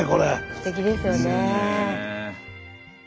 すてきですよね。